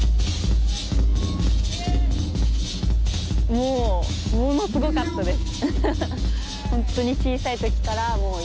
もうものすごかったです。